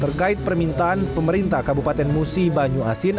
terkait permintaan pemerintah kabupaten musi banyu asin